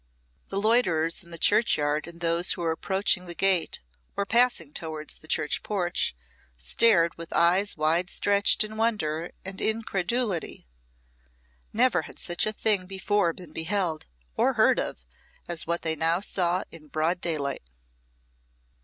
The loiterers in the churchyard, and those who were approaching the gate or passing towards the church porch, stared with eyes wide stretched in wonder and incredulity. Never had such a thing before been beheld or heard of as what they now saw in broad daylight.